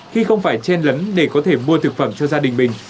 khi không phải chen lấn để có thể mua thực phẩm cho gia đình mình